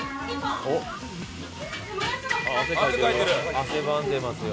汗ばんでますよ。